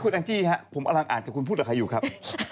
คุณอังจิฮะผมกำลังอ่านแต่คุณพูดหรือใครอยู่ครับ